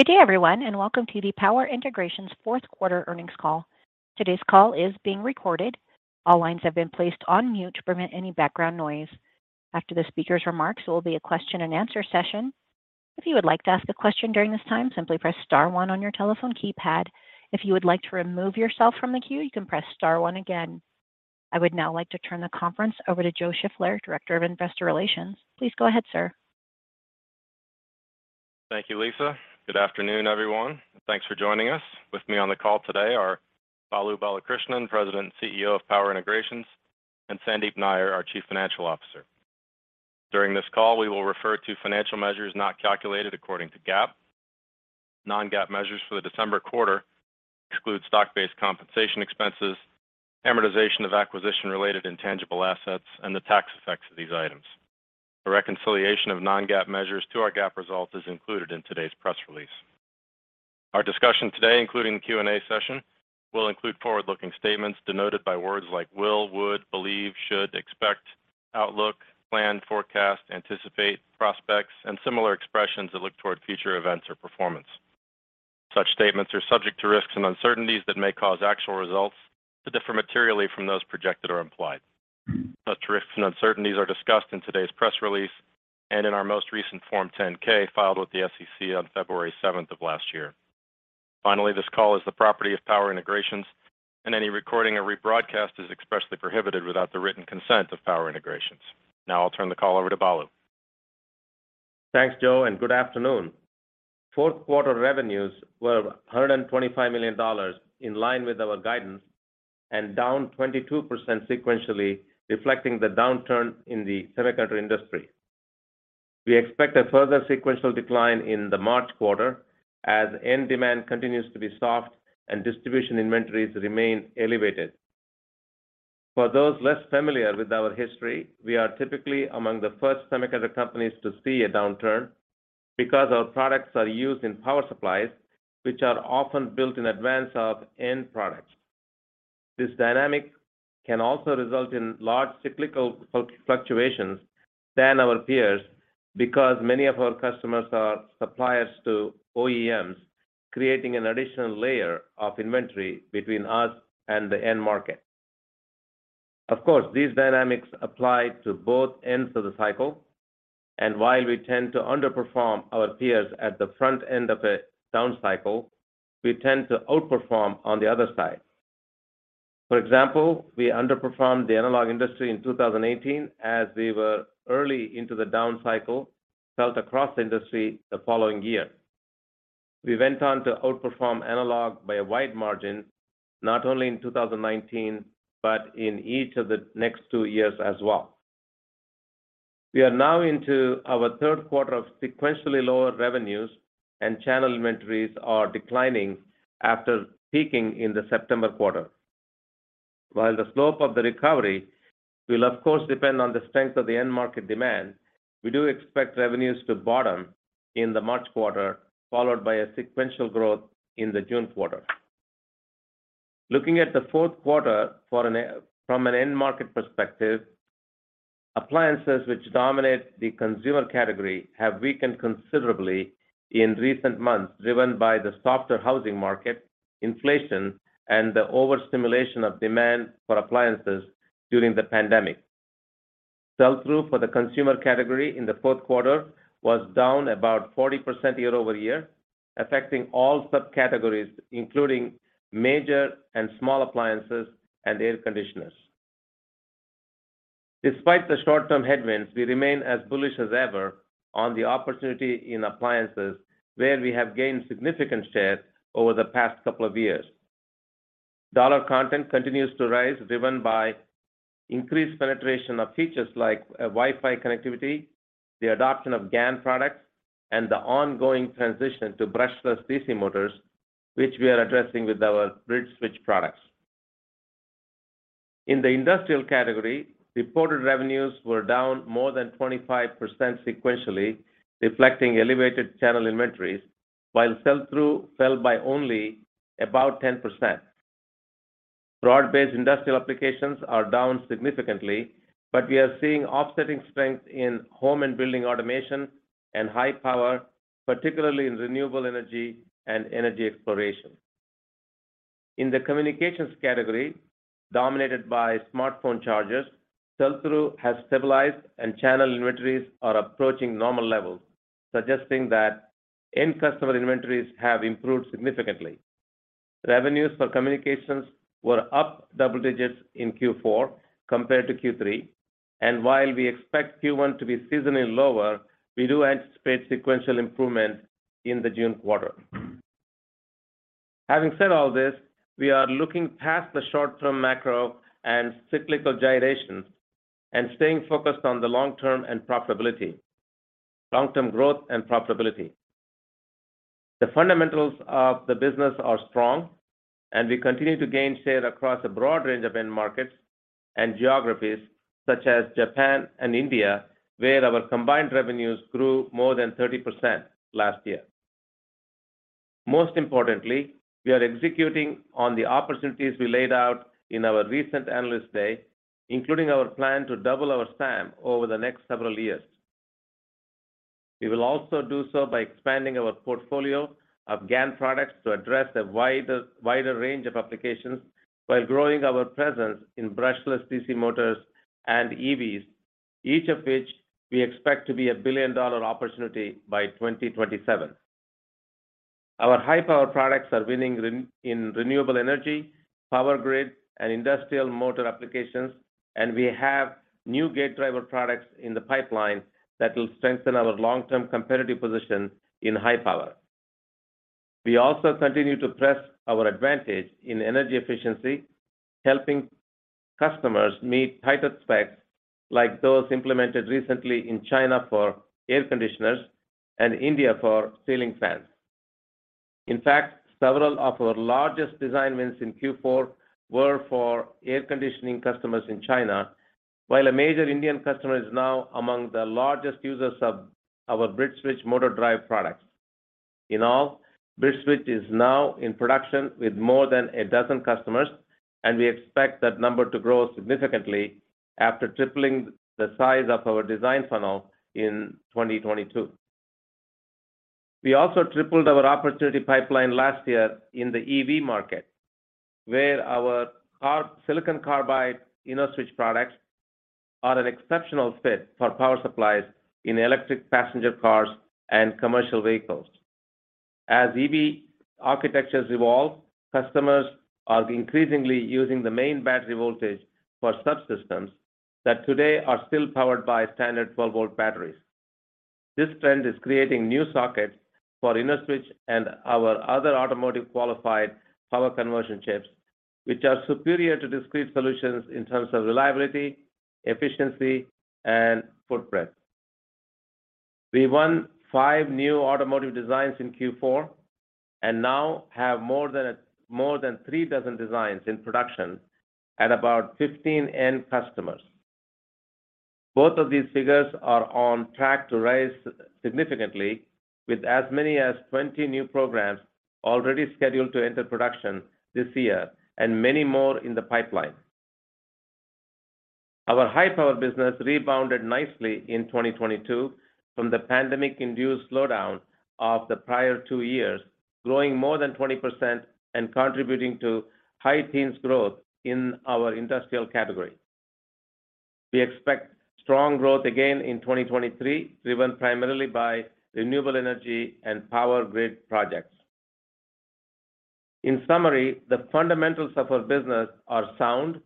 Good day everyone. Welcome to the Power Integrations fourth quarter earnings call. Today's call is being recorded. All lines have been placed on mute to prevent any background noise. After the speaker's remarks, there will be a question and answer session. If you would like to ask a question during this time, simply press star one on your telephone keypad. If you would like to remove yourself from the queue, you can press star one again. I would now like to turn the conference over to Joe Shiffler, Director of Investor Relations. Please go ahead, sir. Thank you, Lisa. Good afternoon, everyone. Thanks for joining us. With me on the call today are Balu Balakrishnan, President and CEO of Power Integrations, and Sandeep Nayyar, our Chief Financial Officer. During this call, we will refer to financial measures not calculated according to GAAP. Non-GAAP measures for the December quarter exclude stock-based compensation expenses, amortization of acquisition-related intangible assets, and the tax effects of these items. A reconciliation of non-GAAP measures to our GAAP results is included in today's press release. Our discussion today, including the Q&A session, will include forward-looking statements denoted by words like will, would, believe, should, expect, outlook, plan, forecast, anticipate, prospects, and similar expressions that look toward future events or performance. Such statements are subject to risks and uncertainties that may cause actual results to differ materially from those projected or implied. Such risks and uncertainties are discussed in today's press release and in our most recent Form 10-K filed with the SEC on February 7th of last year. This call is the property of Power Integrations and any recording or rebroadcast is expressly prohibited without the written consent of Power Integrations. I'll turn the call over to Balu. Thanks, Joe. Good afternoon. Fourth quarter revenues were $125 million, in line with our guidance, and down 22% sequentially, reflecting the downturn in the semiconductor industry. We expect a further sequential decline in the March quarter as end demand continues to be soft and distribution inventories remain elevated. For those less familiar with our history, we are typically among the first semiconductor companies to see a downturn because our products are used in power supplies, which are often built in advance of end products. This dynamic can also result in large cyclical fluctuations than our peers because many of our customers are suppliers to OEMs, creating an additional layer of inventory between us and the end market. Of course, these dynamics apply to both ends of the cycle, and while we tend to underperform our peers at the front end of a down cycle, we tend to outperform on the other side. For example, we underperformed the analog industry in 2018 as we were early into the down cycle felt across industry the following year. We went on to outperform analog by a wide margin, not only in 2019, but in each of the next two years as well. We are now into our third quarter of sequentially lower revenues, and channel inventories are declining after peaking in the September quarter. While the slope of the recovery will of course depend on the strength of the end market demand, we do expect revenues to bottom in the March quarter, followed by a sequential growth in the June quarter. Looking at the fourth quarter from an end market perspective, appliances which dominate the consumer category have weakened considerably in recent months, driven by the softer housing market, inflation, and the overstimulation of demand for appliances during the pandemic. Sell-through for the consumer category in the fourth quarter was down about 40% year-over-year, affecting all subcategories, including major and small appliances and air conditioners. Despite the short-term headwinds, we remain as bullish as ever on the opportunity in appliances, where we have gained significant share over the past couple of years. Dollar content continues to rise, driven by increased penetration of features like Wi-Fi connectivity, the adoption of GaN products, and the ongoing transition to brushless DC motors, which we are addressing with our BridgeSwitch products. In the industrial category, reported revenues were down more than 25% sequentially, reflecting elevated channel inventories, while sell-through fell by only about 10%. Broad-based industrial applications are down significantly. We are seeing offsetting strength in home and building automation and high power, particularly in renewable energy and energy exploration. In the communications category, dominated by smartphone chargers, sell-through has stabilized and channel inventories are approaching normal levels, suggesting that end customer inventories have improved significantly. Revenues for communications were up double digits in Q4 compared to Q3. While we expect Q1 to be seasonally lower, we do anticipate sequential improvement in the June quarter. Having said all this, we are looking past the short-term macro and cyclical gyrations and staying focused on Long-term growth and profitability. The fundamentals of the business are strong. We continue to gain share across a broad range of end markets and geographies, such as Japan and India, where our combined revenues grew more than 30% last year. Most importantly, we are executing on the opportunities we laid out in our recent Analyst Day, including our plan to double our SAM over the next several years. We will also do so by expanding our portfolio of GaN products to address a wider range of applications while growing our presence in brushless DC motors and EVs, each of which we expect to be a billion-dollar opportunity by 2027. Our high power products are winning in renewable energy, power grid, and industrial motor applications. We have new gate driver products in the pipeline that will strengthen our long-term competitive position in high power. We also continue to press our advantage in energy efficiency, helping customers meet tighter specs like those implemented recently in China for air conditioners and India for ceiling fans. In fact, several of our largest design wins in Q4 were for air conditioning customers in China, while a major Indian customer is now among the largest users of our BridgeSwitch motor drive products. In all, BridgeSwitch is now in production with more than a dozen customers, and we expect that number to grow significantly after tripling the size of our design funnel in 2022. We also tripled our opportunity pipeline last year in the EV market, where our Silicon Carbide InnoSwitch products are an exceptional fit for power supplies in electric passenger cars and commercial vehicles. As EV architectures evolve, customers are increasingly using the main battery voltage for subsystems that today are still powered by standard 12-volt batteries. This trend is creating new sockets for InnoSwitch and our other automotive qualified power conversion chips, which are superior to discrete solutions in terms of reliability, efficiency, and footprint. We won five new automotive designs in Q4 and now have more than three dozen designs in production at about 15 end customers. Both of these figures are on track to rise significantly with as many as 20 new programs already scheduled to enter production this year and many more in the pipeline. Our high-power business rebounded nicely in 2022 from the pandemic-induced slowdown of the prior two years, growing more than 20% and contributing to high teens growth in our industrial category. We expect strong growth again in 2023, driven primarily by renewable energy and power grid projects. In summary, the fundamentals of our business are sound,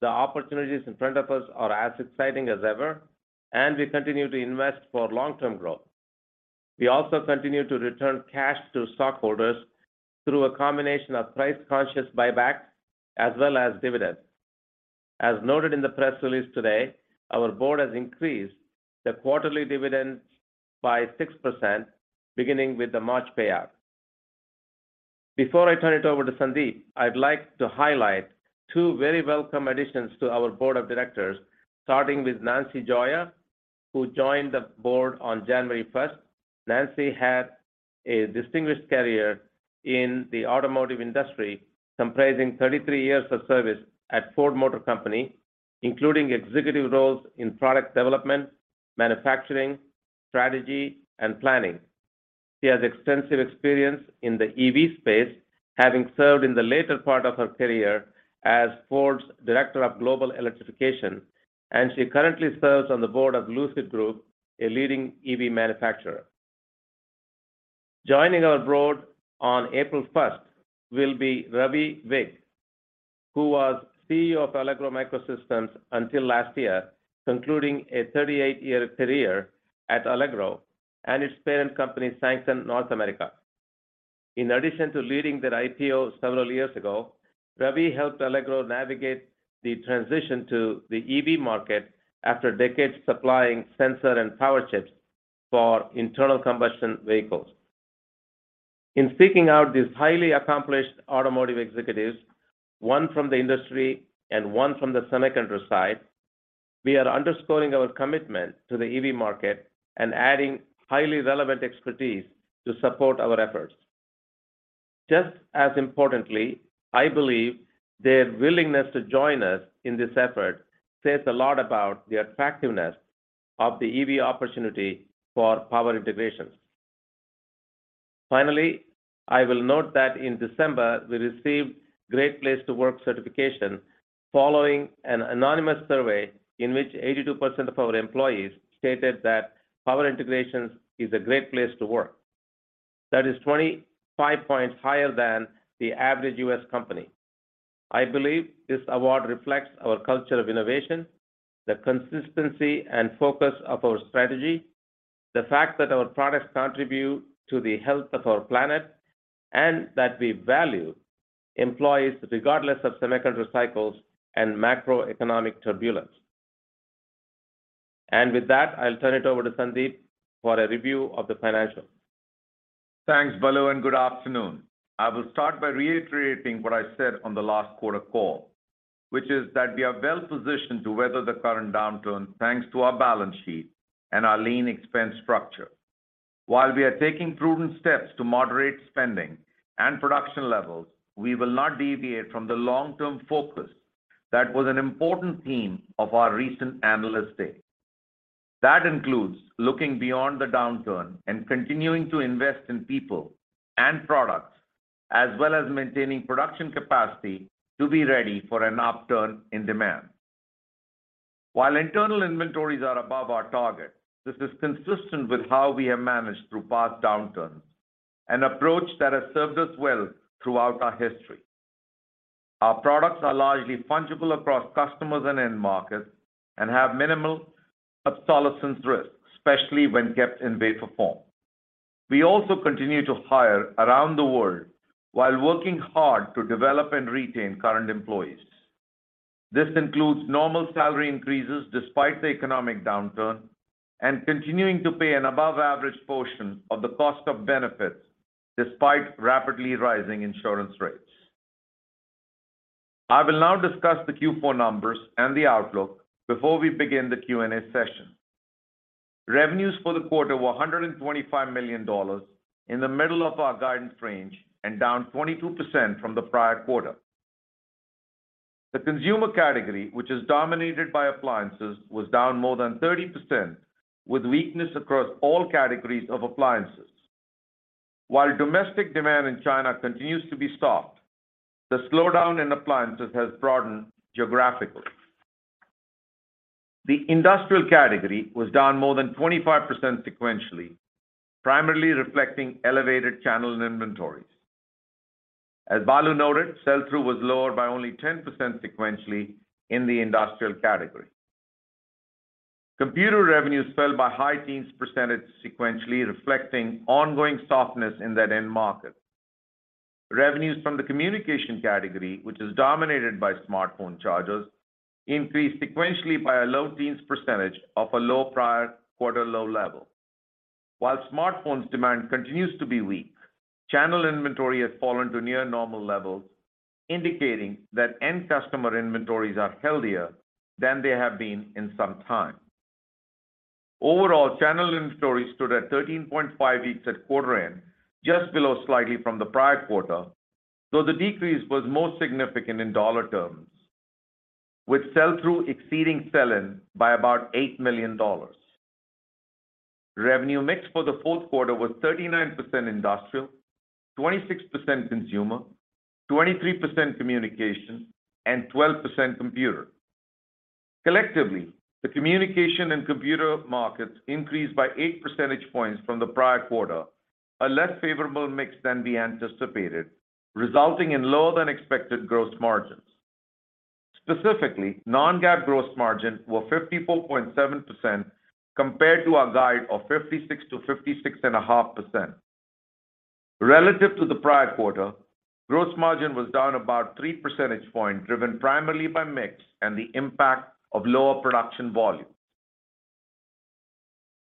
the opportunities in front of us are as exciting as ever, and we continue to invest for long-term growth. We also continue to return cash to stockholders through a combination of price-conscious buybacks as well as dividends. As noted in the press release today, our board has increased the quarterly dividends by 6% beginning with the March payout. Before I turn it over to Sandeep, I'd like to highlight two very welcome additions to our board of directors, starting with Nancy Gioia, who joined the board on January 1st. Nancy had a distinguished career in the automotive industry, comprising 33 years of service at Ford Motor Company, including executive roles in product development, manufacturing, strategy, and planning. She has extensive experience in the EV space, having served in the later part of her career as Ford's Director of Global Electrification, and she currently serves on the board of Lucid Group, a leading EV manufacturer. Joining our board on April 1st will be Ravi Vig, who was CEO of Allegro MicroSystems until last year, concluding a 38-year career at Allegro and its parent company, Sanken North America. In addition to leading their IPO several years ago, Ravi helped Allegro navigate the transition to the EV market after decades supplying sensor and power chips for internal combustion vehicles. In seeking out these highly accomplished automotive executives, one from the industry and one from the semiconductor side, we are underscoring our commitment to the EV market and adding highly relevant expertise to support our efforts. Just as importantly, I believe their willingness to join us in this effort says a lot about the attractiveness of the EV opportunity for Power Integrations. Finally, I will note that in December, we received Great Place to Work certification following an anonymous survey in which 82% of our employees stated that Power Integrations is a great place to work. That is 25 points higher than the average U.S. company. I believe this award reflects our culture of innovation, the consistency and focus of our strategy, the fact that our products contribute to the health of our planet, and that we value employees regardless of semiconductor cycles and macroeconomic turbulence. With that, I'll turn it over to Sandeep for a review of the financials. Thanks, Balu. Good afternoon. I will start by reiterating what I said on the last quarter call, which is that we are well positioned to weather the current downturn thanks to our balance sheet and our lean expense structure. While we are taking prudent steps to moderate spending and production levels, we will not deviate from the long-term focus that was an important theme of our recent Analyst Day. That includes looking beyond the downturn and continuing to invest in people and products, as well as maintaining production capacity to be ready for an upturn in demand. While internal inventories are above our target, this is consistent with how we have managed through past downturns, an approach that has served us well throughout our history. Our products are largely fungible across customers and end markets and have minimal obsolescence risk, especially when kept in wafer form. We also continue to hire around the world while working hard to develop and retain current employees. This includes normal salary increases despite the economic downturn and continuing to pay an above average portion of the cost of benefits despite rapidly rising insurance rates. I will now discuss the Q4 numbers and the outlook before we begin the Q&A session. Revenues for the quarter were $125 million, in the middle of our guidance range and down 22% from the prior quarter. The consumer category, which is dominated by appliances, was down more than 30%, with weakness across all categories of appliances. While domestic demand in China continues to be soft, the slowdown in appliances has broadened geographically. The industrial category was down more than 25% sequentially, primarily reflecting elevated channel inventories. As Balu noted, sell-through was lower by only 10% sequentially in the industrial category. Computer revenues fell by high teens percentage sequentially, reflecting ongoing softness in that end market. Revenues from the communication category, which is dominated by smartphone chargers, increased sequentially by a low teens percentage off a low prior quarter low level. Smartphones demand continues to be weak, channel inventory has fallen to near normal levels, indicating that end customer inventories are healthier than they have been in some time. Channel inventories stood at 13.5 weeks at quarter end, just below slightly from the prior quarter, though the decrease was most significant in dollar terms, with sell-through exceeding sell-in by about $8 million. Revenue mix for the fourth quarter was 39% industrial, 26% consumer, 23% communication, and 12% computer. Collectively, the communication and computer markets increased by 8 percentage points from the prior quarter, a less favorable mix than we anticipated, resulting in lower than expected gross margins. Specifically, non-GAAP gross margins were 54.7% compared to our guide of 56%-56.5%. Relative to the prior quarter, gross margin was down about 3 percentage points, driven primarily by mix and the impact of lower production volumes.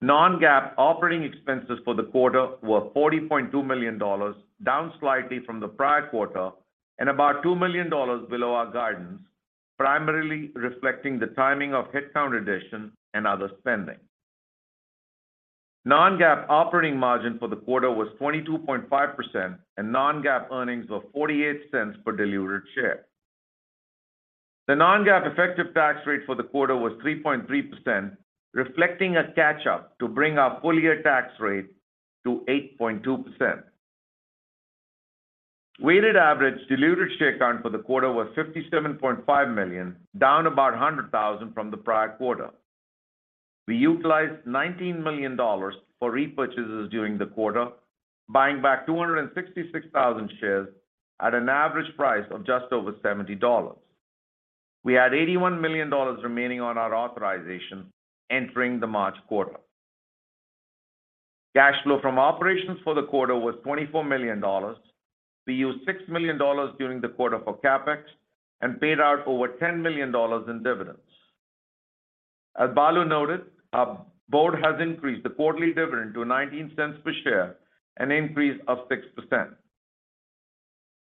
Non-GAAP operating expenses for the quarter were $40.2 million, down slightly from the prior quarter and about $2 million below our guidance, primarily reflecting the timing of headcount additions and other spending. Non-GAAP operating margin for the quarter was 22.5% and non-GAAP earnings of $0.48 per diluted share. The non-GAAP effective tax rate for the quarter was 3.3%, reflecting a catch-up to bring our full-year tax rate to 8.2%. Weighted average diluted share count for the quarter was 57.5 million, down about 100,000 from the prior quarter. We utilized $19 million for repurchases during the quarter, buying back 266,000 shares at an average price of just over $70. We had $81 million remaining on our authorization entering the March quarter. Cash flow from operations for the quarter was $24 million. We used $6 million during the quarter for CapEx and paid out over $10 million in dividends. As Balu noted, our board has increased the quarterly dividend to nineteen cents per share, an increase of 6%.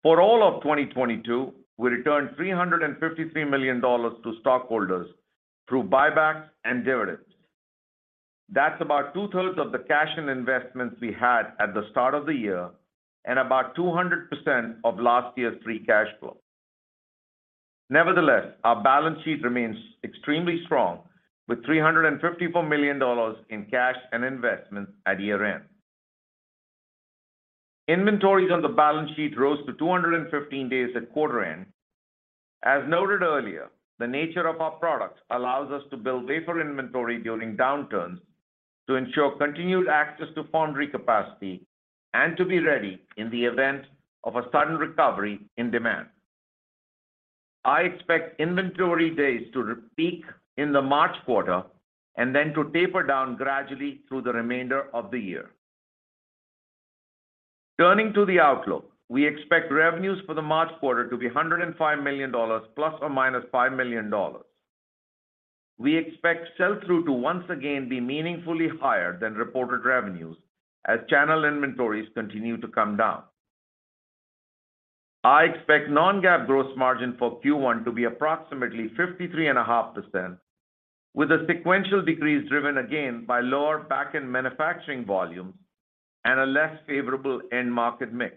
For all of 2022, we returned $353 million to stockholders through buybacks and dividends. That's about two-thirds of the cash and investments we had at the start of the year and about 200% of last year's free cash flow. Nevertheless, our balance sheet remains extremely strong, with $354 million in cash and investments at year-end. Inventories on the balance sheet rose to 215 days at quarter end. As noted earlier, the nature of our products allows us to build wafer inventory during downturns to ensure continued access to foundry capacity and to be ready in the event of a sudden recovery in demand. I expect inventory days to peak in the March quarter and then to taper down gradually through the remainder of the year. Turning to the outlook, we expect revenues for the March quarter to be $105 million ±$5 million. We expect sell-through to once again be meaningfully higher than reported revenues as channel inventories continue to come down. I expect non-GAAP gross margin for Q1 to be approximately 53.5%, with a sequential decrease driven again by lower back-end manufacturing volumes and a less favorable end market mix.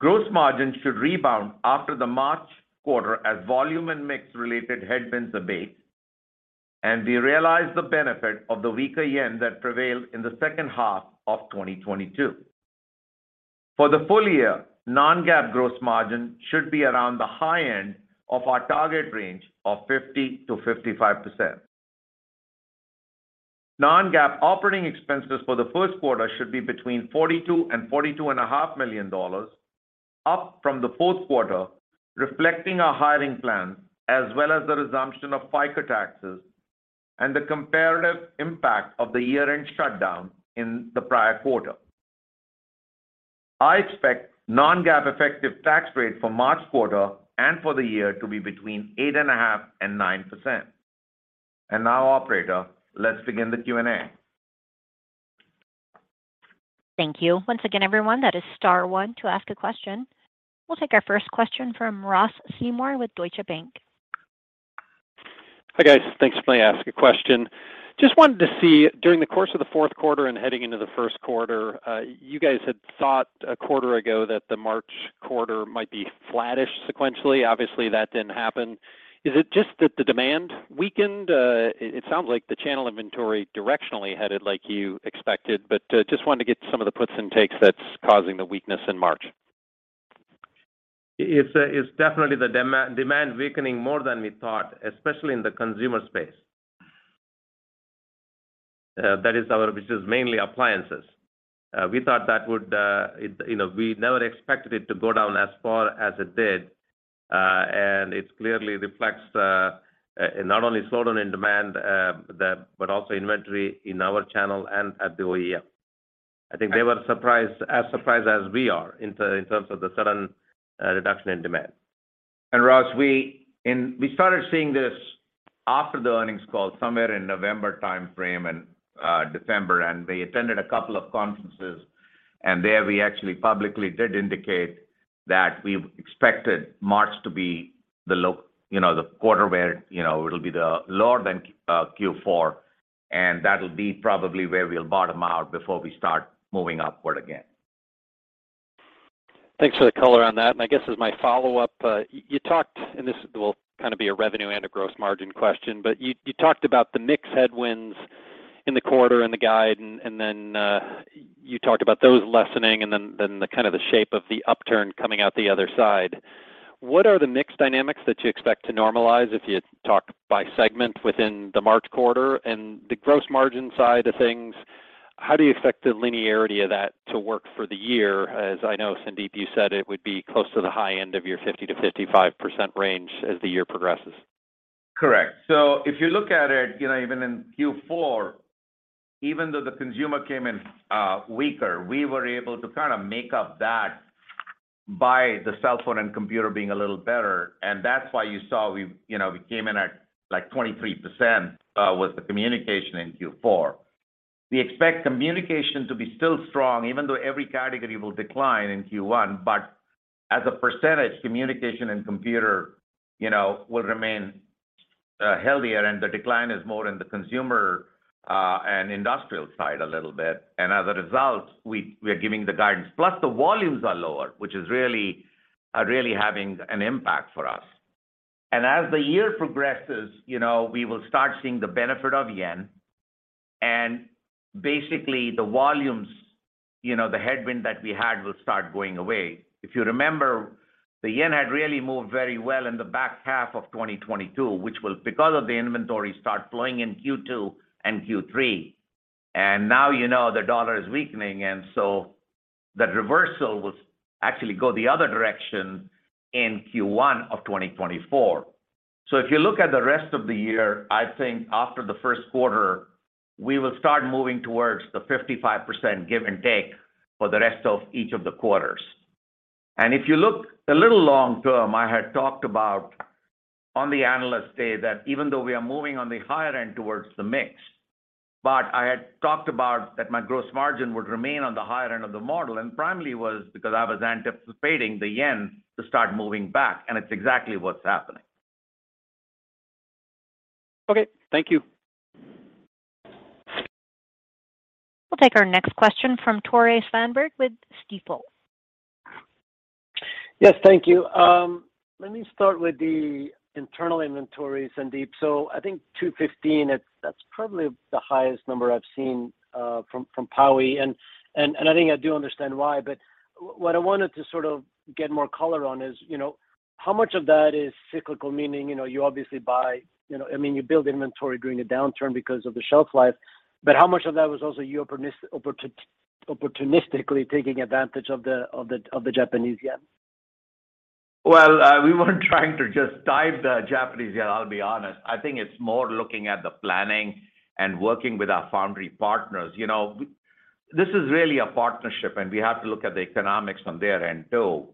Gross margin should rebound after the March quarter as volume and mix-related headwinds abate, and we realize the benefit of the weaker yen that prevailed in the second half of 2022. For the full year, non-GAAP gross margin should be around the high end of our target range of 50%-55%. Non-GAAP operating expenses for the first quarter should be between $42 million and $42.5 million, up from the fourth quarter, reflecting our hiring plan, as well as the resumption of FICA taxes and the comparative impact of the year-end shutdown in the prior quarter. I expect non-GAAP effective tax rate for March quarter and for the year to be between 8.5% and 9%. Now, operator, let's begin the Q&A. Thank you. Once again, everyone, that is star one to ask a question. We'll take our first question from Ross Seymore with Deutsche Bank. Hi, guys. Thanks for letting me ask a question. Just wanted to see, during the course of the fourth quarter and heading into the first quarter, you guys had thought a quarter ago that the March quarter might be flattish sequentially. Obviously, that didn't happen. Is it just that the demand weakened? It sounds like the channel inventory directionally headed like you expected, but just wanted to get some of the puts and takes that's causing the weakness in March? It's definitely the demand weakening more than we thought, especially in the consumer space. Which is mainly appliances. We thought that would, you know, we never expected it to go down as far as it did. It clearly reflects not only slowdown in demand, but also inventory in our channel and at the OEM. I think they were surprised, as surprised as we are in terms of the sudden reduction in demand. Ross, we started seeing this after the earnings call somewhere in November timeframe and December, and we attended a couple of conferences, and there we actually publicly did indicate that we expected March to be the low, you know, the quarter where, you know, it'll be the lower than Q4, and that'll be probably where we'll bottom out before we start moving upward again. Thanks for the color on that. I guess as my follow-up, you talked, and this will kind of be a revenue and a gross margin question, but you talked about the mix headwinds in the quarter and the guide and then, you talked about those lessening and then the kind of the shape of the upturn coming out the other side. What are the mix dynamics that you expect to normalize if you talk by segment within the March quarter? The gross margin side of things, how do you expect the linearity of that to work for the year, as I know, Sandeep, you said it would be close to the high end of your 50%-55% range as the year progresses? Correct. If you look at it, you know, even in Q4, even though the consumer came in, weaker, we were able to kind of make up that by the cell phone and computer being a little better, and that's why you saw we, you know, we came in at, like, 23%, with the communication in Q4. We expect communication to be still strong, even though every category will decline in Q1. As a percentage, communication and computer, you know, will remain healthier, and the decline is more in the consumer and industrial side a little bit. As a result, we're giving the guidance. Plus, the volumes are lower, which is really having an impact for us. As the year progresses, you know, we will start seeing the benefit of JPY and basically the volumes, you know, the headwind that we had will start going away. If you remember, the JPY had really moved very well in the back half of 2022, which will, because of the inventory, start flowing in Q2 and Q3. Now, you know, the dollar is weakening, and so that reversal will actually go the other direction in Q1 of 2024. If you look at the rest of the year, I think after the first quarter, we will start moving towards the 55%, give and take, for the rest of each of the quarters. If you look a little long term, I had talked about on the Analyst Day that even though we are moving on the higher end towards the mix, but I had talked about that my gross margin would remain on the higher end of the model. Primarily was because I was anticipating the yen to start moving back. It's exactly what's happening. Okay. Thank you. We'll take our next question from Tore Svanberg with Stifel. Yes. Thank you. Let me start with the internal inventory, Sandeep. I think $215, that's probably the highest number I've seen from POWI, and I think I do understand why, but what I wanted to sort of get more color on is, you know, how much of that is cyclical? Meaning, you know, you obviously buy, you know... I mean, you build inventory during a downturn because of the shelf life, but how much of that was also you opportunistically taking advantage of the Japanese yen? We weren't trying to just time the Japanese yen, I'll be honest. I think it's more looking at the planning and working with our foundry partners. You know, this is really a partnership, and we have to look at the economics on their end, too.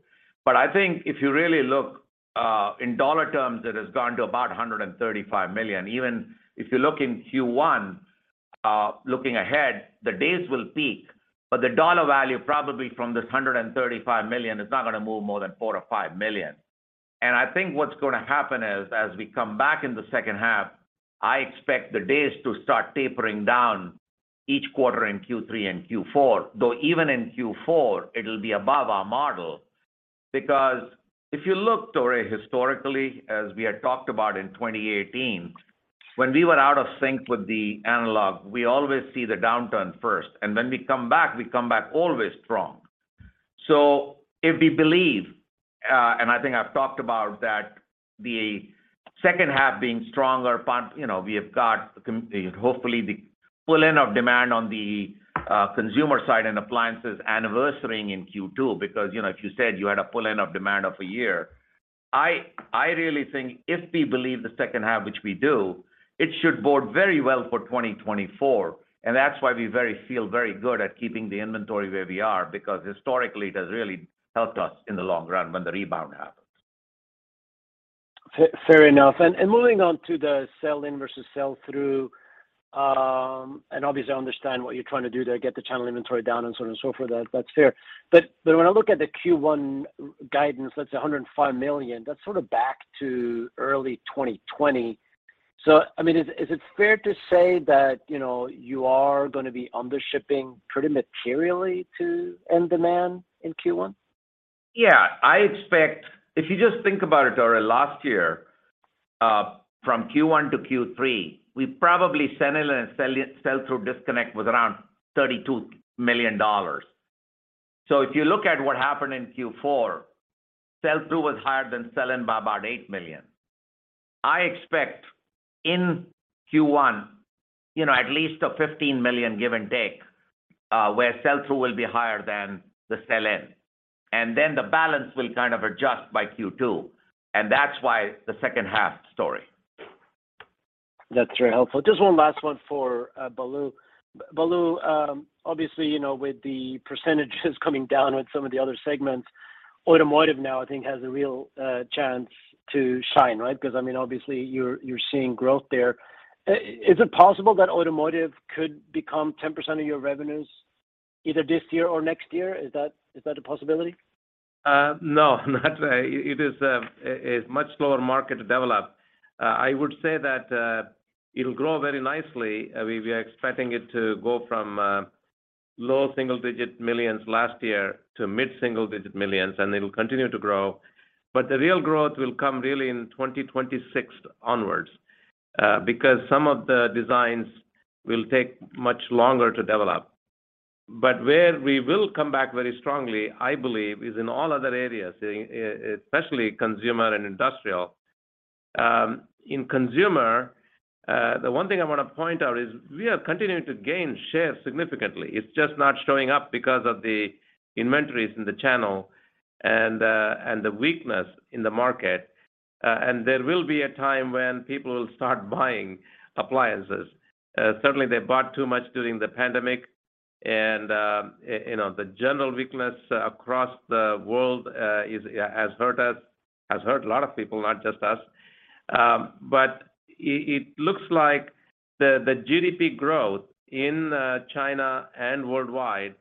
I think if you really look, in dollar terms, it has gone to about $135 million. Even if you look in Q1. Looking ahead, the days will peak, but the US dollar value probably from this $135 million is not gonna move more than $4 million-$5 million. I think what's gonna happen is as we come back in the second half, I expect the days to start tapering down each quarter in Q3 and Q4, though even in Q4 it'll be above our model. If you look, Tore, historically, as we had talked about in 2018, when we were out of sync with the analog, we always see the downturn first, and when we come back, we come back always strong. If we believe, and I think I've talked about that, the second half being stronger, but, you know, we have got hopefully the pull-in of demand on the consumer side and appliances anniversarying in Q2, because, you know, if you said you had a pull-in of demand of a year, I really think if we believe the second half, which we do, it should bode very well for 2024. That's why we feel very good at keeping the inventory where we are because historically it has really helped us in the long run when the rebound happens. Fair enough. Moving on to the sell-in versus sell-through. Obviously I understand what you're trying to do to get the channel inventory down and so on and so forth. That's fair. When I look at the Q1 guidance, let's say $105 million, that's sort of back to early 2020. I mean, is it fair to say that, you know, you are gonna be under-shipping pretty materially to end demand in Q1? Yeah. If you just think about it, Tore, last year, from Q1 to Q3, we probably sell-in and sell-through disconnect was around $32 million. If you look at what happened in Q4, sell-through was higher than sell-in by about $8 million. I expect in Q1, you know, at least a $15 million, give and take, where sell-through will be higher than the sell-in, and then the balance will kind of adjust by Q2, and that's why the second half story. That's very helpful. Just one last one for Balu. Balu, obviously, you know, with the percentages coming down with some of the other segments, automotive now I think has a real chance to shine, right? I mean, obviously you're seeing growth there. Is it possible that automotive could become 10% of your revenues either this year or next year? Is that a possibility? No, not really. It is a much slower market to develop. I would say that it'll grow very nicely. We are expecting it to go from low single-digit millions last year to mid single-digit millions, and it'll continue to grow. The real growth will come really in 2026 onwards, because some of the designs will take much longer to develop. Where we will come back very strongly, I believe, is in all other areas, especially consumer and industrial. In consumer, the one thing I wanna point out is we are continuing to gain share significantly. It's just not showing up because of the inventories in the channel and the weakness in the market. There will be a time when people will start buying appliances. Certainly they bought too much during the pandemic and, you know, the general weakness across the world has hurt us, has hurt a lot of people, not just us. But it looks like the GDP growth in China and worldwide is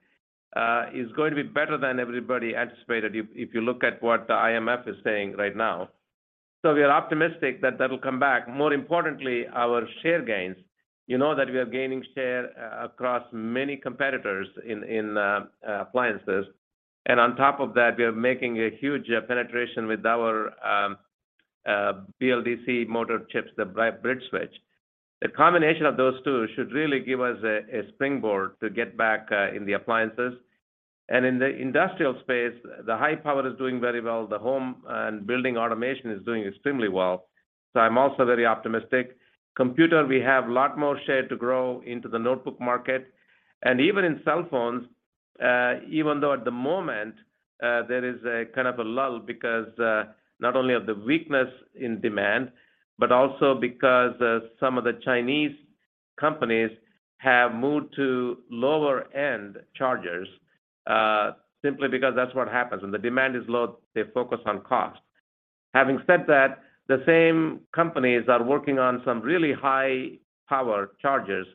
going to be better than everybody anticipated if you look at what the IMF is saying right now. We are optimistic that that'll come back. More importantly, our share gains, you know that we are gaining share across many competitors in appliances. On top of that, we are making a huge penetration with our BLDC motor chips, the BridgeSwitch. The combination of those two should really give us a springboard to get back in the appliances. In the industrial space, the high power is doing very well. The home and building automation is doing extremely well, so I'm also very optimistic. Computer, we have a lot more share to grow into the notebook market. Even in cell phones, even though at the moment, there is a kind of a lull because, not only of the weakness in demand but also because, some of the Chinese companies have moved to lower end chargers, simply because that's what happens. When the demand is low, they focus on cost. Having said that, the same companies are working on some really high power chargers,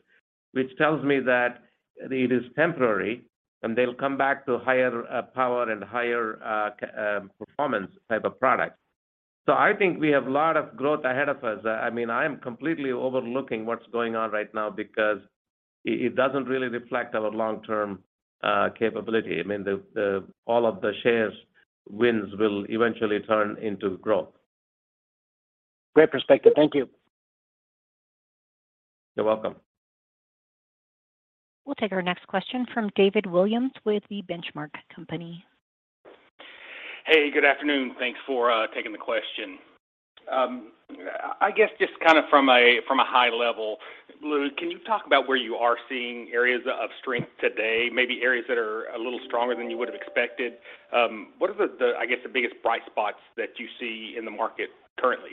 which tells me that it is temporary and they'll come back to higher power and higher performance type of product. I think we have a lot of growth ahead of us. I mean, I am completely overlooking what's going on right now because it doesn't really reflect our long-term capability. I mean, all of the shares wins will eventually turn into growth. Great perspective. Thank you. You're welcome. We'll take our next question from David Williams with The Benchmark Company. Hey, good afternoon. Thanks for taking the question. I guess just kind of from a high level, Balu, can you talk about where you are seeing areas of strength today, maybe areas that are a little stronger than you would have expected? What are the, I guess the biggest bright spots that you see in the market currently?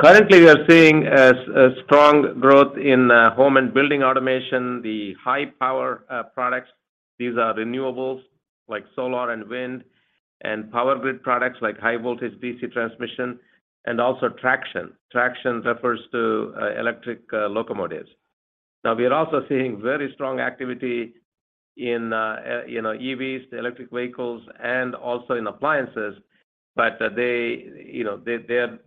Currently we are seeing a strong growth in home and building automation, the high power products. These are renewables like solar and wind and power grid products like high-voltage DC transmission and also traction. Traction refers to electric locomotives. We are also seeing very strong activity in, you know, EVs, the electric vehicles, and also in appliances, but they, you know,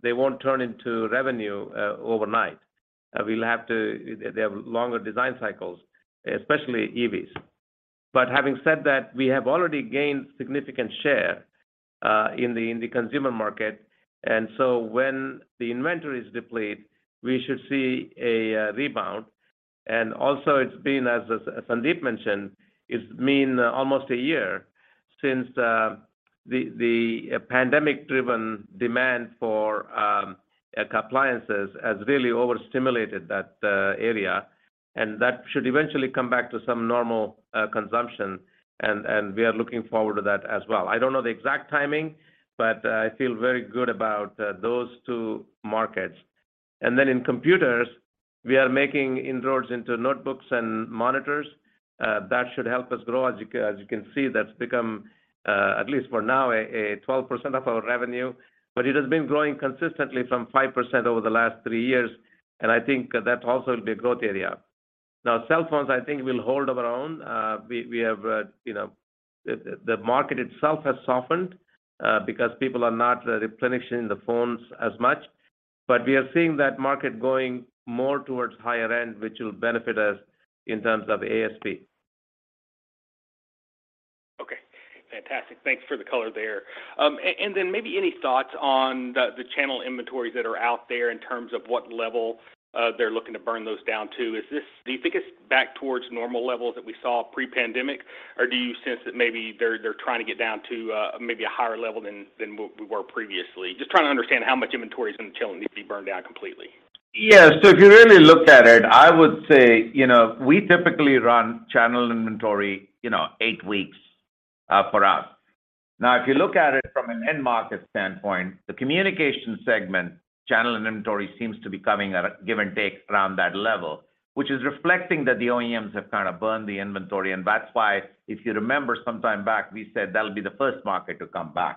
they won't turn into revenue overnight. They have longer design cycles, especially EVs. Having said that, we have already gained significant share in the consumer market. When the inventory is depleted, we should see a rebound. It's been, as Sandeep mentioned, it's been almost a year since the pandemic-driven demand for appliances has really overstimulated that area, and that should eventually come back to some normal consumption, and we are looking forward to that as well. I don't know the exact timing, but I feel very good about those two markets. In computers, we are making inroads into notebooks and monitors. That should help us grow. As you can see, that's become, at least for now, a 12% of our revenue, but it has been growing consistently from 5% over the last three years, and I think that also will be a growth area. Cell phones, I think will hold of our own. We have, you know, the market itself has softened, because people are not replenishing the phones as much. We are seeing that market going more towards higher end, which will benefit us in terms of ASP. Okay, fantastic. Thanks for the color there. Maybe any thoughts on the channel inventories that are out there in terms of what level they're looking to burn those down to? Do you think it's back towards normal levels that we saw pre-pandemic, or do you sense that maybe they're trying to get down to maybe a higher level than we were previously? Just trying to understand how much inventory is going to need to be burned down completely. Yeah. If you really look at it, I would say, you know, we typically run channel inventory, you know, eight weeks, per us. If you look at it from an end market standpoint, the communication segment channel inventory seems to be coming at a give and take around that level, which is reflecting that the OEMs have kinda burned the inventory. That's why, if you remember sometime back, we said that'll be the first market to come back.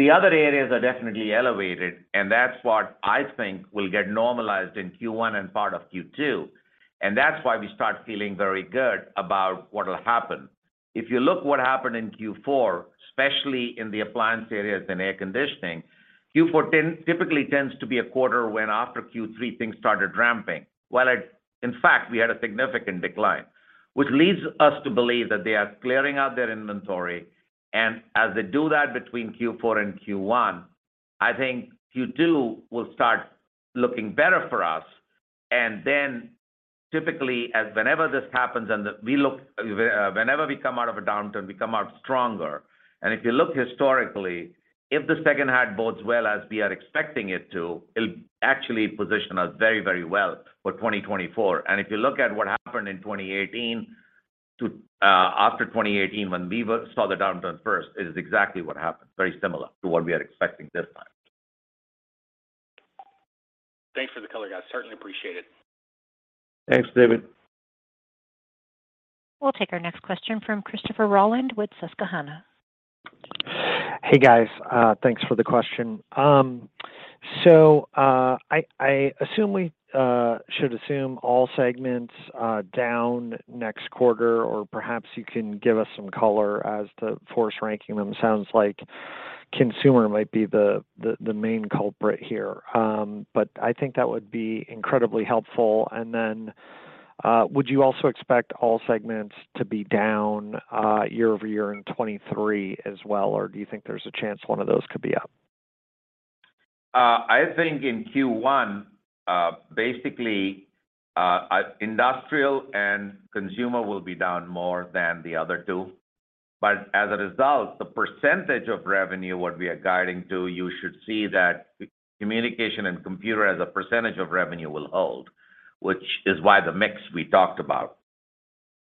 The other areas are definitely elevated, and that's what I think will get normalized in Q1 and part of Q2. That's why we start feeling very good about what'll happen. If you look what happened in Q4, especially in the appliance areas and air conditioning, Q4 typically tends to be a quarter when after Q3 things started ramping. In fact, we had a significant decline, which leads us to believe that they are clearing out their inventory. As they do that between Q4 and Q1, I think Q2 will start looking better for us. Typically, as whenever this happens, we look whenever we come out of a downturn, we come out stronger. If you look historically, if the second half bodes well as we are expecting it to, it'll actually position us very, very well for 2024. If you look at what happened in 2018 to after 2018, when we saw the downturn first, it is exactly what happened, very similar to what we are expecting this time. Thanks for the color, guys. Certainly appreciate it. Thanks, David. We'll take our next question from Christopher Rolland with Susquehanna. Hey, guys. Thanks for the question. I assume we should assume all segments are down next quarter, or perhaps you can give us some color as to force ranking them. Sounds like consumer might be the main culprit here. But I think that would be incredibly helpful. Would you also expect all segments to be down year-over-year in 2023 as well? Do you think there's a chance one of those could be up? I think in Q1, basically, industrial and consumer will be down more than the other two. As a result, the percentage of revenue, what we are guiding to, you should see that communication and computer as a percentage of revenue will hold, which is why the mix we talked about.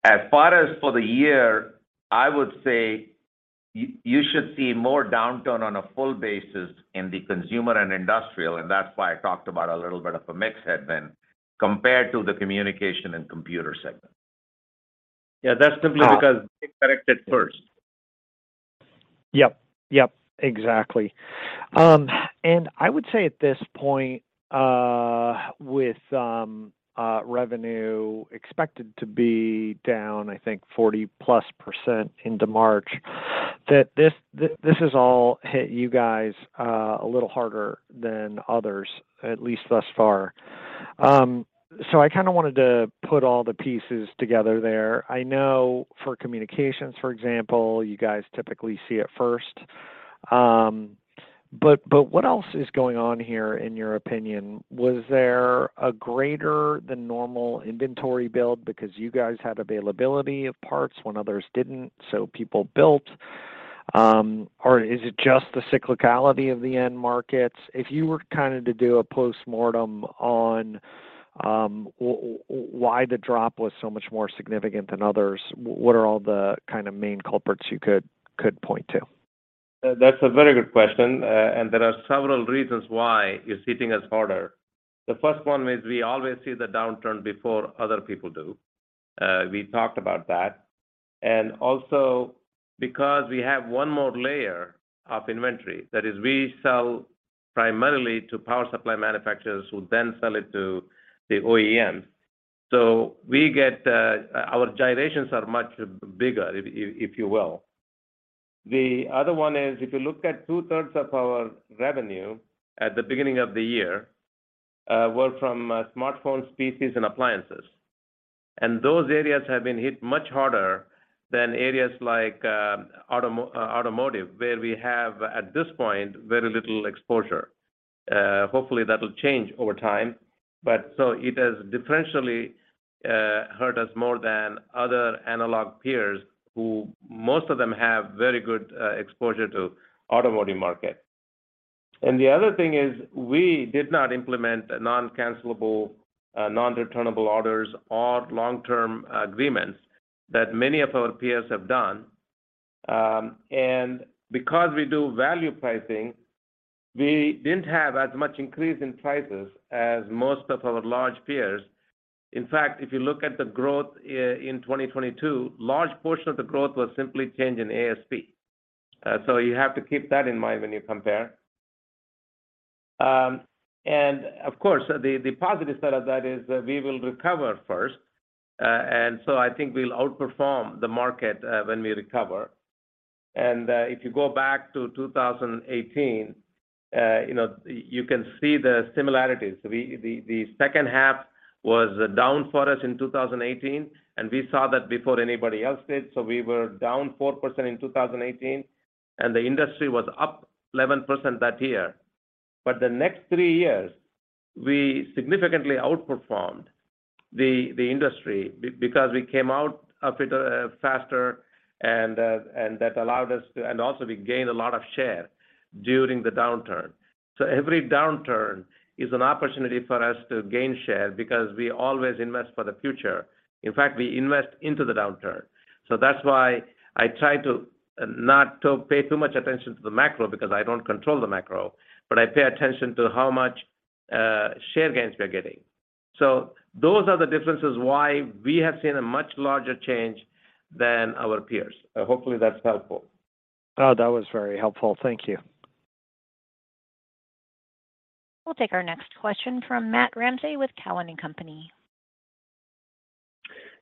As far as for the year, I would say you should see more downturn on a full basis in the consumer and industrial, and that's why I talked about a little bit of a mix headwind compared to the communication and computer segment. That's simply because they corrected first. Yep. Yep, exactly. I would say at this point, with revenue expected to be down, I think 40%+ into March, that this has all hit you guys a little harder than others, at least thus far. I kinda wanted to put all the pieces together there. I know for communications, for example, you guys typically see it first. What else is going on here in your opinion? Was there a greater than normal inventory build because you guys had availability of parts when others didn't, so people built? Or is it just the cyclicality of the end markets? If you were kinda to do a postmortem on why the drop was so much more significant than others, what are all the kinda main culprits you could point to? That's a very good question. There are several reasons why you're seeing us harder. The first one is we always see the downturn before other people do. We talked about that. Also because we have one more layer of inventory, that is, we sell primarily to power supply manufacturers who then sell it to the OEMs. We get, our gyrations are much bigger, if you will. The other one is, if you look at 2/3 of our revenue at the beginning of the year, were from, smartphone, PCs, and appliances. Those areas have been hit much harder than areas like, automotive, where we have, at this point, very little exposure. Hopefully, that'll change over time. It has differentially hurt us more than other analog peers who most of them have very good exposure to automotive market. The other thing is we did not implement non-cancellable non-returnable orders or long-term agreements that many of our peers have done. Because we do value pricing, we didn't have as much increase in prices as most of our large peers. In fact, if you look at the growth in 2022, large portion of the growth was simply change in ASP. So you have to keep that in mind when you compare. Of course, the positive side of that is we will recover first, and so I think we'll outperform the market when we recover. If you go back to 2018, you know, you can see the similarities. The second half was down for us in 2018. We saw that before anybody else did, so we were down 4% in 2018. The industry was up 11% that year. The next three years, we significantly outperformed the industry because we came out of it faster and that allowed us to and also we gained a lot of share during the downturn. Every downturn is an opportunity for us to gain share because we always invest for the future. In fact, we invest into the downturn. That's why I try to not to pay too much attention to the macro because I don't control the macro, but I pay attention to how much share gains we are getting. Those are the differences why we have seen a much larger change than our peers. Hopefully, that's helpful. Oh, that was very helpful. Thank you. We'll take our next question from Matt Ramsay with Cowen and Company.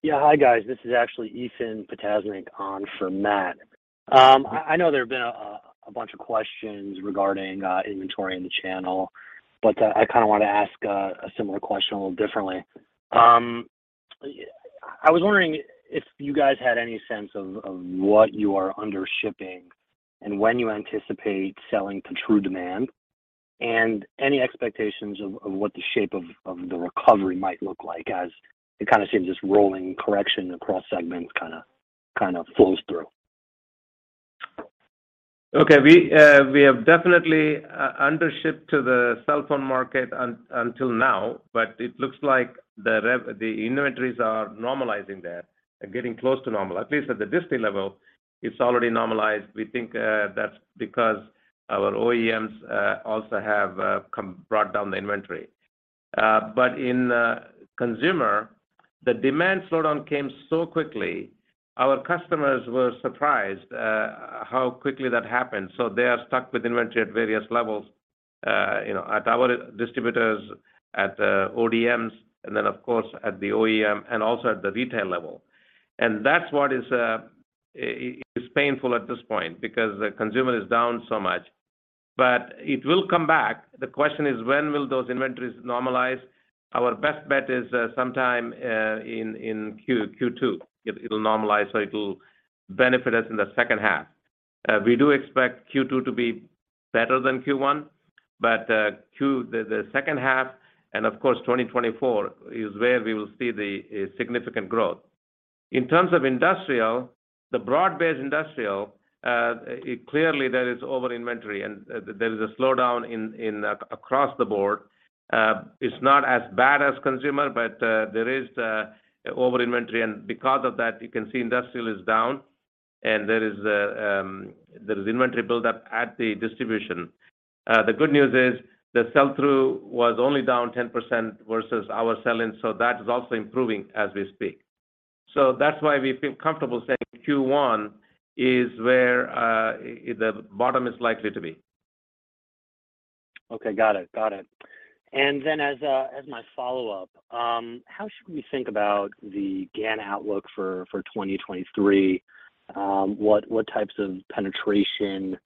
Yeah. Hi, guys. This is actually Ethan Potasnick on for Matt. I know there have been a bunch of questions regarding inventory in the channel, I kinda wanna ask a similar question a little differently. I was wondering if you guys had any sense of what you are under shipping and when you anticipate selling to true demand, and any expectations of what the shape of the recovery might look like as it kinda seems this rolling correction across segments kinda flows through. Okay. We have definitely undershipped to the cell phone market until now, but it looks like the inventories are normalizing there and getting close to normal. At least at the distie level, it's already normalized. We think that's because our OEMs also have brought down the inventory. In consumer, the demand slowdown came so quickly. Our customers were surprised how quickly that happened, so they are stuck with inventory at various levels, you know, at our distributors, at ODMs, and then, of course, at the OEM, and also at the retail level. That's what is painful at this point because the consumer is down so much. It will come back. The question is when will those inventories normalize? Our best bet is sometime in Q2, it'll normalize, so it'll benefit us in the second half. We do expect Q2 to be better than Q1. The second half and, of course, 2024 is where we will see the significant growth. In terms of industrial, the broad-based industrial, clearly there is over-inventory, and there is a slowdown across the board. It's not as bad as consumer. There is over-inventory, and because of that, you can see industrial is down, and there is inventory buildup at the distribution. The good news is the sell-through was only down 10% versus our sell-in, so that is also improving as we speak. That's why we feel comfortable saying Q1 is where the bottom is likely to be. Okay. Got it. Got it. As my follow-up, how should we think about the GaN outlook for 2023? What types of penetration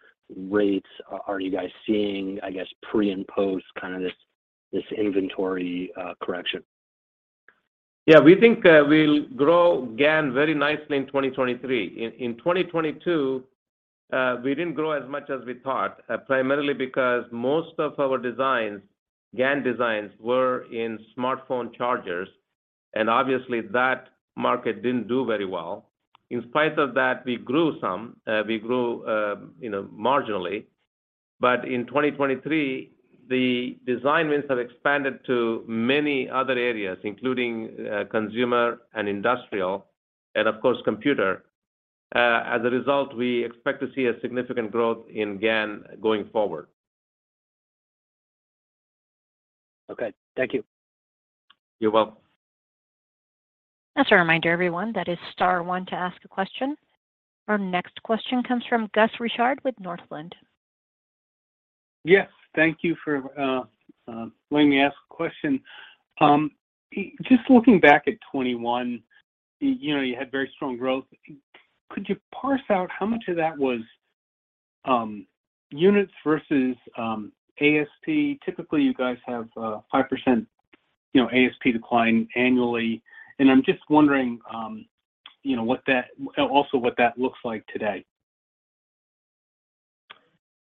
rates are you guys seeing, I guess, pre- and post kinda this inventory correction? We think we'll grow GaN very nicely in 2023. In 2022, we didn't grow as much as we thought, primarily because most of our designs, GaN designs, were in smartphone chargers, and obviously, that market didn't do very well. In spite of that, we grew some, we grew, you know, marginally. In 2023, the design wins have expanded to many other areas, including consumer and industrial and, of course, computer. As a result, we expect to see a significant growth in GaN going forward. Okay. Thank you. You're welcome. As a reminder everyone, that is star one to ask a question. Our next question comes from Gus Richard with Northland. Yes. Thank you for letting me ask a question. Just looking back at 2021, you know, you had very strong growth. Could you parse out how much of that was units versus ASP? Typically, you guys have 5%, you know, ASP decline annually. I'm just wondering, you know, what that also what that looks like today.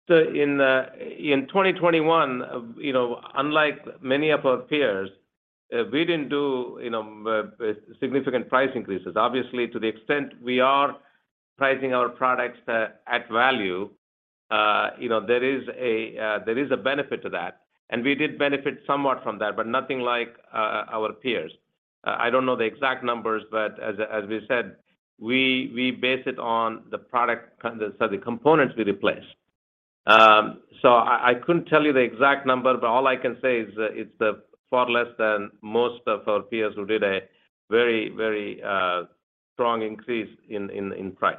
In 2021, you know, unlike many of our peers, we didn't do, you know, significant price increases. Obviously, to the extent we are pricing our products at value, you know, there is a benefit to that, and we did benefit somewhat from that, but nothing like our peers. I don't know the exact numbers, but as we said, we base it on the product kind of set of components we replace. I couldn't tell you the exact number, but all I can say is it's far less than most of our peers who did a very, very strong increase in price.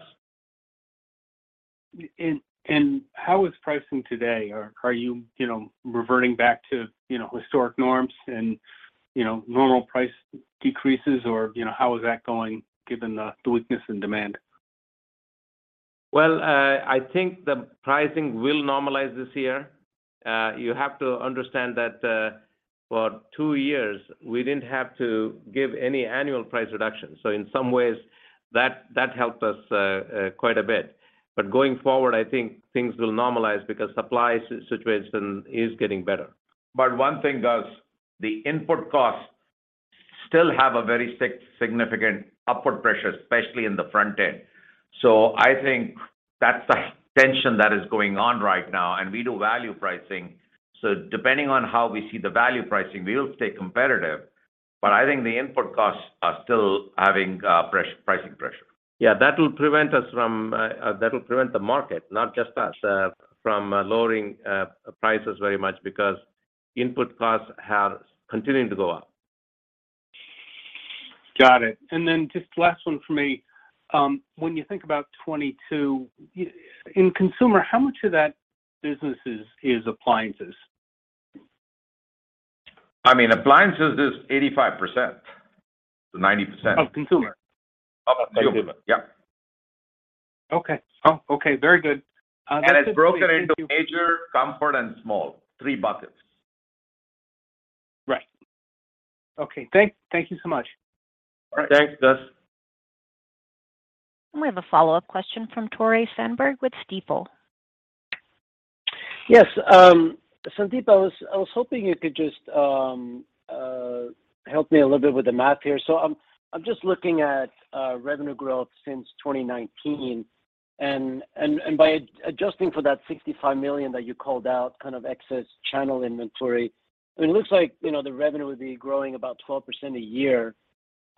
How is pricing today? Are you know, reverting back to, you know, historic norms and, you know, normal price decreases, or, you know, how is that going given the weakness in demand? I think the pricing will normalize this year. You have to understand that, for two years we didn't have to give any annual price reduction. In some ways that helped us quite a bit. Going forward, I think things will normalize because supply situation is getting better. One thing, Gus, the input costs still have a very significant upward pressure, especially in the front end. I think that's the tension that is going on right now, and we do value pricing, so depending on how we see the value pricing, we'll stay competitive. I think the input costs are still having pricing pressure. That will prevent the market, not just us, from lowering prices very much because input costs have continuing to go up. Got it. Then just last one for me. When you think about 2022 in consumer, how much of that business is appliances? I mean, appliances is 85%-90%. Of consumer? Of consumer. Yep. Okay. Oh, okay. Very good. That's it. Thank you. It's broken into major, comfort, and small. Three buckets. Right. Okay. Thank you so much. All right. Thanks, Gus. We have a follow-up question from Tore Svanberg with Stifel. Yes. Sandeep, I was hoping you could just help me a little bit with the math here. I'm just looking at revenue growth since 2019 and by adjusting for that $65 million that you called out, kind of excess channel inventory, it looks like, you know, the revenue would be growing about 12% a year.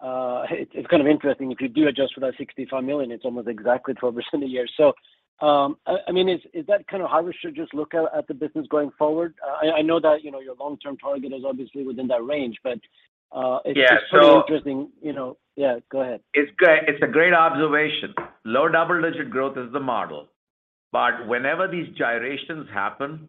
It's kind of interesting. If you do adjust for that $65 million, it's almost exactly 12% a year. I mean, is that kind of how we should just look at the business going forward? I know that, you know, your long-term target is obviously within that range, but. Yeah. It's just pretty interesting, you know. Yeah, go ahead. It's a great observation. Low double-digit growth is the model. Whenever these gyrations happen,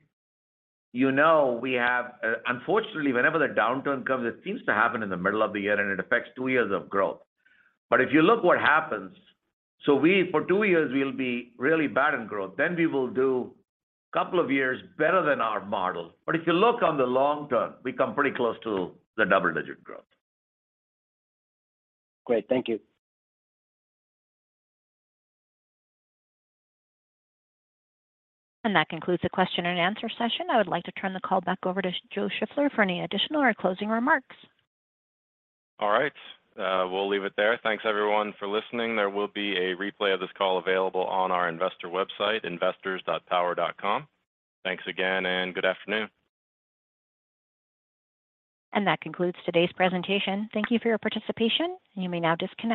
you know we have. Unfortunately, whenever the downturn comes, it seems to happen in the middle of the year, and it affects two years of growth. If you look what happens, we for two years will be really bad in growth, then we will do couple of years better than our model. If you look on the long term, we come pretty close to the double-digit growth. Great. Thank you. That concludes the question and answer session. I would like to turn the call back over to Joe Shiffler for any additional or closing remarks. All right. We'll leave it there. Thanks everyone for listening. There will be a replay of this call available on our investor website, investors.power.com. Thanks again, and good afternoon. That concludes today's presentation. Thank you for your participation. You may now disconnect.